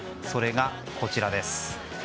それが、こちらです。